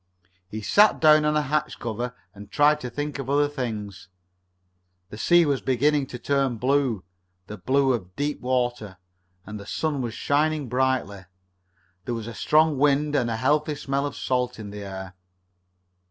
He sat down on a hatch cover and tried to think of other things. The sea was beginning to turn blue the blue of deep water and the sun was shining brightly. There was a strong wind and a healthful smell of salt in the air.